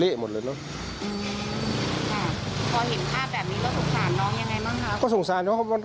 เละหมดเลยเนาะพอเห็นภาพแบบนี้แล้วสงสารน้องยังไงบ้าง